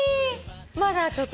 まだちょっと。